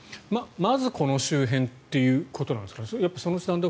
まず、この周辺ということなんですかね。